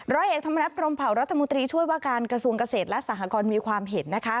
ร้อยเอกธรรมนัฐพรมเผารัฐมนตรีช่วยว่าการกระทรวงเกษตรและสหกรมีความเห็นนะคะ